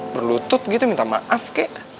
berlutut gitu minta maaf kek